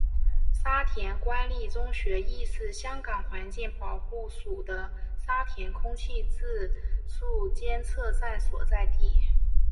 沙田官立中学亦是香港环境保护署的沙田空气质素监测站所在地。